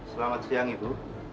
selamat siang ibu